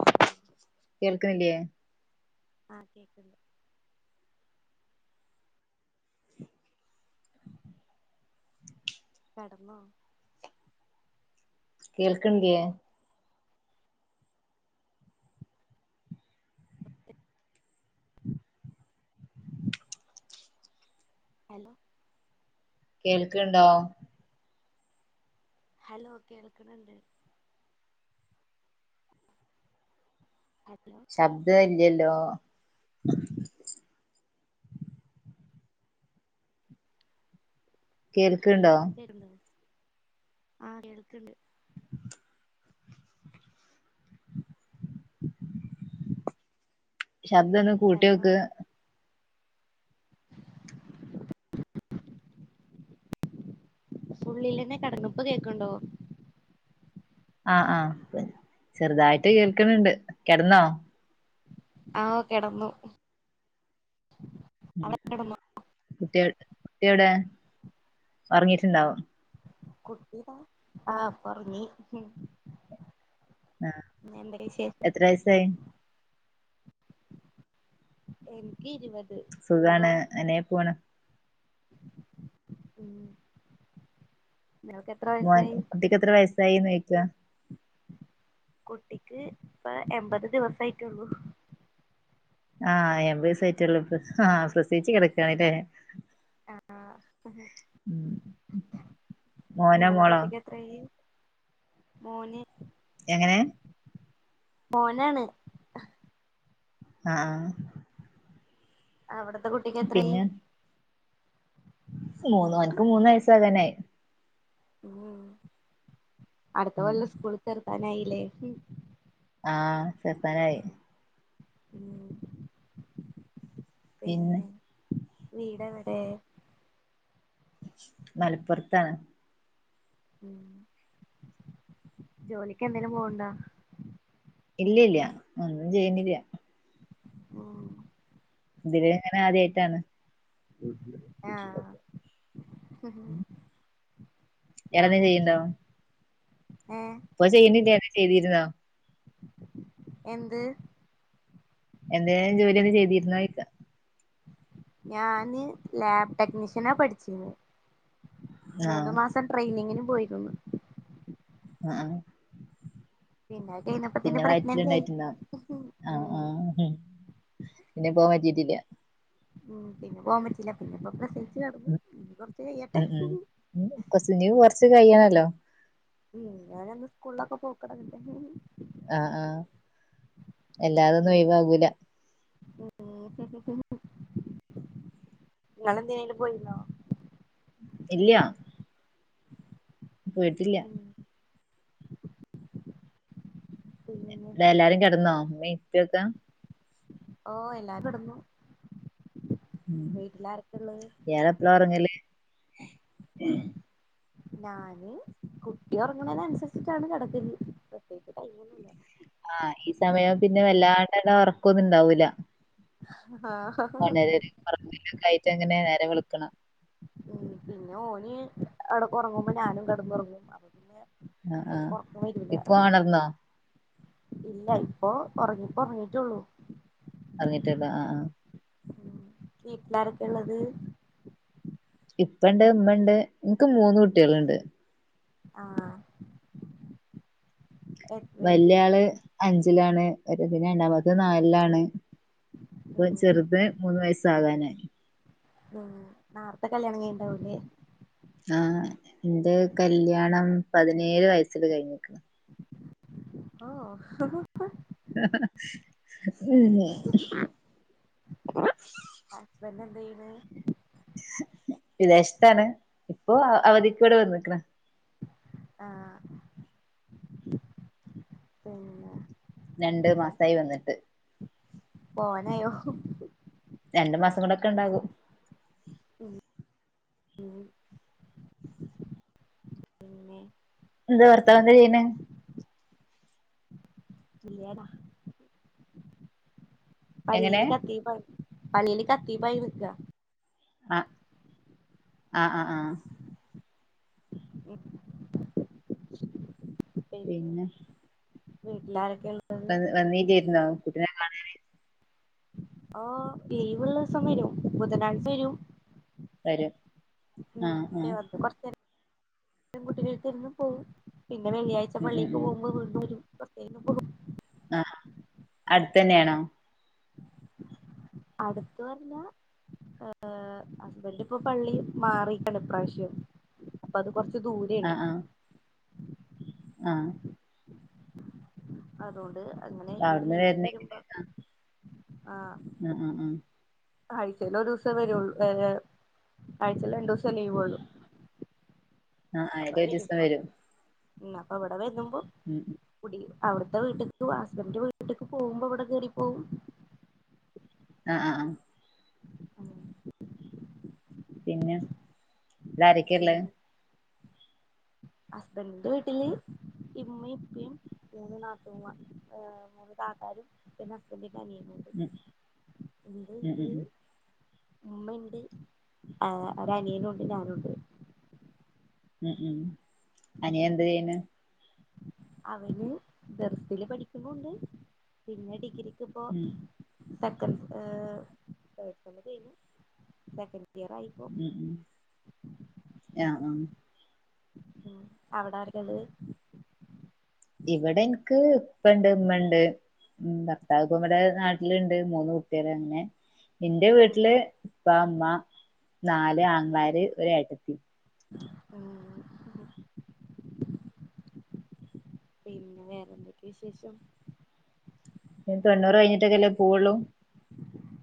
Hello കേൾക്കുന്നില്ലയേ ആഹ കേക്കുന്നു കെടന്നോ കേൾക്കണ്ടേ ഹലോ കേൾക്കണ്ടോ ഹലോ കേൾക്കണണ്ട് ഹലോ ശബ്ദ ഇല്ലല്ലോ ഹലോ കേൾക്കണ്ടോ ഒപ്പക്കേരുണ്ടോ ആ കേൾക്കണ്ട് ശബ്ദംന്ന് ഹലോ കൂട്ടിയൊക്ക് [unintelligible] ഉുള്ളിൽന്നെ കടങ്ങിപ്പ് കേൾക്കണ്ടോ ആഹ ആഹ ചെറുതായിട്ട് കേൾക്കണണ്ട് കിടന്നോ ആഹ കിടന്നു കുട്ടിയ കുട്ടിയോടെ പറങ്ങിട്ടുണ്ടാവും കുട്ടിാ ആഹ് പറഞ്ഞി ആഹ എത്ര വയസായി എനിക്ക് ഇരുപത്തി സുഖാണ് അനെ പോണ് ഉം നിങ്ങൾക്ക് എത്ര മോൻ വയസ്സായി കുട്ടക്ക് എത്ര വയസ്സായിന്ന് ചോിക്ക കുട്ടിക്ക് ഇപ്പ എൺമ്പത് ദിവസായിട്ടള്ളൂ ആഹ എപത് സെറ്റ് ഉള്ളപ്പ ആ ശ്രദ്ധിച്ച കിടക്കണല്ലേ ആ മോനോ നിങ്ങളെ മോളോ കുട്ടിക്ക് എത്രയായി മോന എങ്ങനെ മോനാണ് ആഹ ആഹ അവിടത്തെ കുട്ടിക്ക് എത്രായി മൂന്ന് അവനക്ക് മൂന്ന് വയസ അകനായി ഉ അടുത്ത ഉം വള്ള സ്കൂളിൽ തെർുക്കാനായില്ലേ ആഹ ചെപ്പാനായി ഉം പിന്നെ വീട് എവിടെ മലപ്പുറത്താണ് ഉ ജോലിക്ക് എന്തേിലും പോവണ്ടോ ഇല്ലല്ല ആും ചെയ്യുന്നില്ല ഉ ഇതി എങ്ങനെ ആദ്യായിട്ടാണ് ആഹ ടന്തും ചെയ്യണ്ടോ ഉം ഇപ്പൊ ചെയന്ി തന്ന ചെയ്തിരുന്നാ എന്ത് എന്തേും ജോലി ഒന്ന് ചെയ്തിരുന്ന കഴിക്ക ഞാന് ലാബ് ടെക്നീഷ്യനാ പഠിച്ചിന്ന് ആഹ് മൂന്നു മാസം ട്രെയിനിങ്ങിന് പോയിരുന്നു ആഹ പിന്നെ അത് കഴിഞ്ഞപ്പത്തിന് പിന്നെ വയറ്റില പ്രഗ്നന്റ് ആയി ഉണ്ടായിട്ടിുന്നാ ആ ഉം ആ എക്കാ ഭറ്റട്ടല്ലേ [inaudible] ഉം പിന്നെ പോകപറ്റില്ല പിന്നെ കെടന്നു ഉ ഇനി കൊറച്ച് കയ്യട്ടെ ഉ ഉ കൊച്ചി [inaudible] നീ കുറച്ച് കഴ്യണല്ലോ ഉ ഞാന ഒന്ന് സ്കൂളിലൊക്കെ പോക്കടലണ്ട് ആഹ ആഹ എല്ലാതൊന്നും ഒഴിവാകൂല ആ [unintelligible] ഇള എന്തിനെങ്കിലു പോയിുന്നോ ഇല്ല പോയിട്ടില്ല ഉം പിന്നെ ഇവിടെ എല്ലാരും കിടന്നോ ഉമ്മയുപ്പക്കെ ഓ എല്ലാരും കടന്നു ഇയാള എപ്പളാ ഉറങ്ങല് ഞാന് കുട്ടി ഉറങ്ങണതിന അനുസരിച്ചിട്ടാണ് കിടക്കല് പ്രത്യേകിച്ച് ടൈമൊന്നുല്ല ആഹ ഈ സമയം പിന്നെ വല്ലാണ്ടങ്ങ് ഉറക്കൊന്നും ഇണ്ടാവൂല [unintelligible] ആയിട്ടങ്ങനെ നേരം വെളുക്കണം പിന്നെ ഓന് ഒറങ്ങുമ്പോ ഞാനും കെടന്നുറങ്ങും അപ്പ പിന്നെ ആ ആഹ എടക്ക് ഉറക്കം വരൂല ഇപ്പൊ ഒണർന്നോ ഇല്ല ഇപ്പൊ ഉറങ്ങിപ്പോ ഉറങ്ങിട്ടുള്ളൂ ഒറങ്ങീട്ടൊള്ളാആഹ് ആ വീട്ടിലാരക്ക ഉള്ളത് ഇപ്പ ഇണ്ട് ഉമ്മണ്ട് നിക്ക് മൂന്ന് കുട്ടികളുണ്ട് ആ വല്യ ആള് അഞ്ചിലാണ് ഒരുത് രണ്ടാമത്തെ നാലിലാണ് ഇപ്പൊ ഉം ചെറുത് മൂന്ന് വയസാകാനയി ഉം നാർത്തെ കല്യാണം കഴിഞ്ഞിണ്ടാവൂലേ ആ എന്റെ കല്യാണം പതിനേഴ് വയസ്സില് കഴിഞ്ഞിക്ക് ഓ അ [unintelligible] ഹസ്ബൻന്റ് എന്ത ചെയ്യണേ വിദേശത്താണ് ഇപ്പൊ അവധിക്ക് ഇവിടെ വന്നിക്ക്ണ് ആ പിന്നെ രണ്ട്മാസായി വന്നിട്ട് പോകാനായോ രണ്ടു മാസം കൂടെക്കെ ഇണ്ടാകും [inaudible] നിന്റെ ഭർത്താവെന്താ ചെയ്യണ ഇല്ലയടാ എങ്ങനെ പള്ളില് കത്തിബ പള്ളില് കത്തിബായി നിക്ക ആ ആ ആഹ് ആഹ് പിന്നെ വീട്ടിലാരൊക്ക വ വന്നീല്ലാരുന്നോ കുട്ടിനെ കാണാന് ആ ലീവുള്ള ഈസം വരും ബുധനാഴ്ച വരും വരും ആ [unintelligible] ആ [unintelligible] എന്നുംപോവും പിന്നെ വെള്ളിയാഴ്ച ഉം ഉം പള്ളിക്ക് ഉം പോകുമ്പോൾ വീണ്ടും വരും [unintelligible] ആ അടുത്ത തന്നെയാണോ അടുത്ത പറഞ്ഞ ആ ഹസ്ബൻന്റ് ഇപ്പൊ പള്ളി മാറിക്ക്ണ് ഇപ്രാവശ്യം അപ്പ അത് കൊറച്ച് ആ ദൂരാണ് ആ ആ അതുകൊണ്ട് അങ്ങനെ അപ്പൊ ഈ അവിടുന്ന് ലീവില് വരുന്നെങ്കില് വരുമ്പോ ആ ആ ആ ആ ആഴ്ചൽ ഒരു ദിവസേ വരള്ളൂ ഏ ഏ ആഴ്ചൽ രണ്ടു ദിവസേ ലീവൊള്ളു ആഹ് അയില് ഒരു ദിവസം വരും ഉം അപ്പം ഇവിടെ വന്നുമ്പോ ഉം ഉം കുടി അവിടുത്തെ വീട്ട്ക്ക് ഹസ്ബൻന്റെ വീട്ടിക്ക് പോകുമ്പോ ഇവിടെ കേറി പോവും ആ ആ ആ പിന്നെ ഇടെ ആരൊക്കെയള്ളത് ഹസ്ബന്റിന്റെ വീട്ടില് ഇമ്മയും ഇപ്പയും മൂന്ന് നാത്തൂൻമാ ഏ മൂന്ന് താത്താരും പിന്നെ ഹസ്ബന്റിന്റെ അനിയനുണ്ട് ഉം ഉം ഉം ഉമ്മയുണ്ട് ആ ഒരു അനിയനുണ്ട് ഞാനുണ്ട് ഉം ഉം അനിയൻ എന്ത് ചെയ്ണ് അവന് ദർസ്സില് പഠിക്ക്ണൂണ്ട് പിന്നെ ഡിഗ്രി ഇപ്പോ ഉം സെക്കൻ് ഏഹ് സെക്കന്റ് കയ്ഞ്ഞു [unintelligible] ഉം ഉ ആഹ് ആഹ് അഹ് അവിടാരൊക്കെള്ളഹ് ഇവിടെ ഇൻക്ക് ഇപ്പണ്ട് ഉമ്മണ്ട് ഉം ഭർത്താവ് പ്പം വെടെ നാട്ടില്ണ്ട് മൂന്ന് കുട്ട്യേള് അങ്ങനെ ഇന്റെ ഉം വീട്ടില് ഇപ്പ അമ്മ നാല് ആങ്ങളാര് ഒരേട്ടെത്തി ഉം പിന്നെ വേറെന്തൊക്കെ വിശേഷം? ഉം തൊണ്ണൂറ് കഴിഞ്ഞിട്ടൊക്കെല്ലേ പോവുള്ളൂ?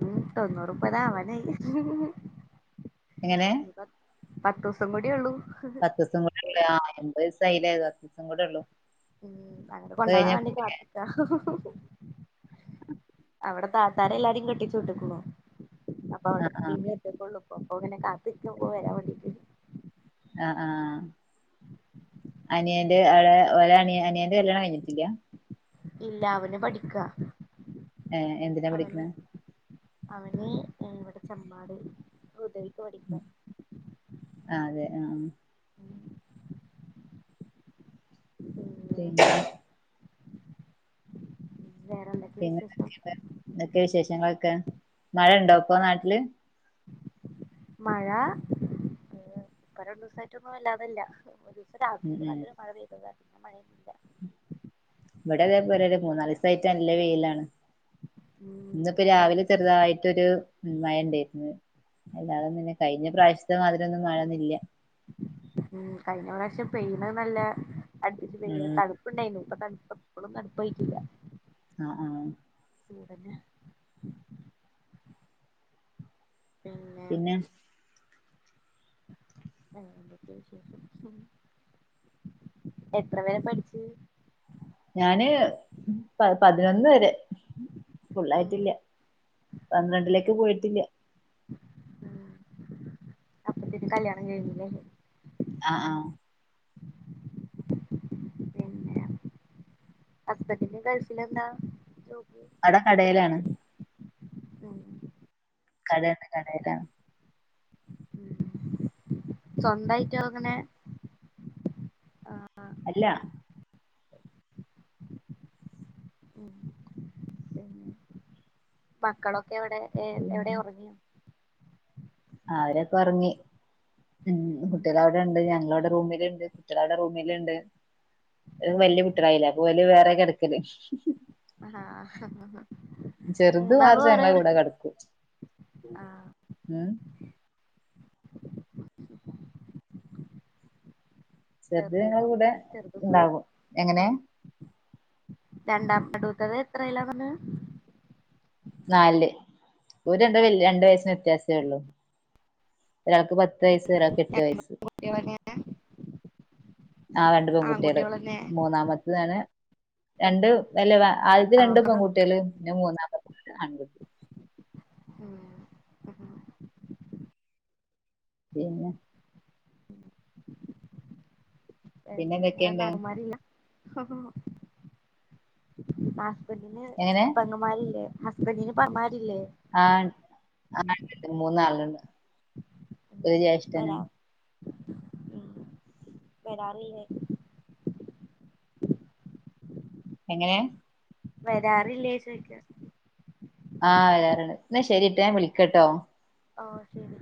ഉം തൊണ്ണൂറുപ്പതാ ആവാനായി എങ്ങനെ പത്തോസം കൂഡ്യോള്ളൂ പത്തോസം കൂടെ ഉള്ളേ ആഹ് എമ്പേസായിലെ പത്തീസം കൂടെ ഉള്ളൂ ഉം അങ്ങട്ട് അത് കൊണ്ടോആൻ കഴിഞ്ഞ വേണ്ടി പോവൂലേ കാത്തിക്ക അവിടെ ത്താതാരെ എല്ലാരിം കെട്ടിച്ചു വിട്ടക്ണു. അപ്പ അവടെ ആഹ് ഇമ്മ ഒറ്റക്കൊള്ളു ഒപ്പോ പിന്നെ കാത്തിര്ക്മ്പൊ വരാൻ വേണ്ടിട്ട് അഹ് ആഹ് അനിയന്റെ അവിടെ ല അനിയ അനിയന്റെ കല്യാണം കഴിഞ്ഞിട്ടില്ല ഇല്ല അവന് പഠിക്ക ഏഹ് എന്തിനാ പഠിക്കുന്ന് അവന് ഇവിടെ ചെമ്പാട് ഉദ- അതെ ഉം ഉം പിന്നെ ഉം [unintelligible] വേറെ എന്തൊക്കെയ വിശേഷം പിന്നെന്തൊക്കെ എന്തൊക്കെ വിശേഷങ്ങളൊക്കെ മഴ ഇണ്ടോ ഇപ്പൊ നാട്ടില് മഴ ഏ ഇപ്പ കുറെ ദിവസായിട്ടൊന്നും വല്ലാതില്ല ഉം രാത്രി ഉം നല്ലൊരു മഴ പെയ്താ പിന്നെ മഴയില്ല ഇവിടെ അതേ പോലെ മൂന്നാല് ദിവസായിട് നല്ല വെയിലാണ് ഉം ഇന്നിപ്പ ഇവിടൊക്കെ രാവിലെ ചെറുതായിട്ടൊരു ഉം മഴ ഉണ്ടായിരുന്നു കഴിഞ്ഞ പ്രാവശ്യത്തെ മാതിരി ഒന്നും കാണുന്നില്ല ഉം കഴിഞ്ഞ പ്രാവശ്യം പെയിന നല്ല അടുപ്പച്ച് പ ഉം തണുപ്പുണ്ടായിരുന്നു ഇപ്പൊ തണുപ്പ എപ്പോഴും തണുപ്പായിടില്ല [unintelligible] ആഹ് ആഹ് അതന്നെ [unintelligible] പിന്നെ ആഹ് എന്തൊക്കെ വിശേഷം എത്ര വരെ പഠിച്ച് ഞാന് പ പതിനൊന്ന് വരെ ഉം ഫുള്ളായിട്ടില്ല ഉം പന്ത്രണ്ടിലേക്ക് പോയിട്ടില്ല. ഉം കല്യാണം കയിഞ്ഞിലെ ആഹ് ആഹ് ഹുസ്ബൻഡ് ഗൾഫിൽ എന്താ ജോലി അടെ കടയിലാണ് ഉം കടേണ് കടേലാണ്. ഉം സ്വന്തായിട്ടോ അതങ്ങനെ ആഹ് അല്ല ഉം പിന്നെ മക്കളൊ എവടെ ഏഹ് എവടെ ഒർങ്ങ്യോ ആഹ് അവരൊക്കൊർങ്ങി. ഉം കുട്ടികള് അവിടെ ഉണ്ട് ഞങ്ങളവിടെ റൂമിലുണ്ട് കുട്ടികള അവിടെ റൂമിലുണ്ട് അ വല്യ കുട്ടികളായില്ലേ അപ്പൊ ഓല് വേറെ കിടക്കല് ആഹാ ചെറുത് മൂന്നാളും മാത്രം ഒരേ ഞങ്ങളെ കൂടെ കെടക്ക് കിടക്കും ആഹ് ഉം ചെറുത് ഞങ്ങളെ ചെറുതിനും കൂടെ ഉണ്ടാകും എങ്ങനെ രണ്ടാ [unintelligible] എത്ര ഇല്ല വന്ന് നാല്ൽ ഓല് രണ്ട് വയസ്ന് വ്യത്യാസമേ ഉള്ളു ഒരാൾക്ക് പത്ത് വയസ് ഒരാൾക്ക് എട്ട് വയസ്സ് കുട്ടികളെന്നെ ആഹ രണ്ടു പെൺകുട്ടികള് ആൺകുട്ടികളെന്നെ മൂന്നാമത്തതാണ് രണ്ട് വല്ല ആദ്യത്തെ രണ്ടും ആഹ് പെൺകുട്ടികള് പിന്നെ മൂന്നാമത്തെ ആൺകുട്ടി ഉം ഉം പിന്നെ പിന്നെ ന്ന എന്തൊക്കെയുണ്ട് അറ മാറില്ല [unintelligible] എങ്ങനെ പെങ്ങന്മാരില്ലേ ഹസ്ബൻഡ് ന് പെങ്ങന്മാരില്ലേ ആ ആ ഇണ്ട് ഇണ്ട് മൂന്നാളുണ്ട് ഒരു ജേഷ്ഠനും ഉ വരാറില്ലേ എങ്ങനെയ വരാറില്ലേ ചോയ്ക്ക ആഹ് വരാറുണ്ട് എന്നാ ശെരിട്ടോ ഞാൻ വിളിക്കട്ടോ ആഓ ശരി